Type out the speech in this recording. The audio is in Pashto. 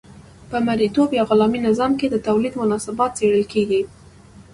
په مرئیتوب یا غلامي نظام کې د تولید مناسبات څیړل کیږي.